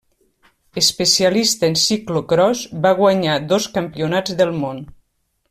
Especialista en ciclocròs, va guanyar dos Campionats del món.